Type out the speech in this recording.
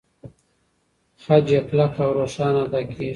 خج يې کلک او روښانه ادا کېږي.